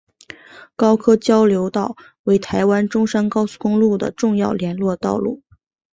高科交流道为台湾中山高速公路的重要联络道路。